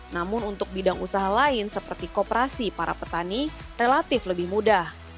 namun untuk bidang usaha lain seperti kooperasi para petani relatif lebih mudah